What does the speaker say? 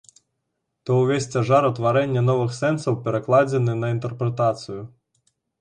То ўвесь цяжар утварэння новых сэнсаў перакладзены на інтэрпрэтацыю.